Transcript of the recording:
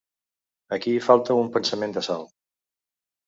Aquí hi falta un pensament de sal.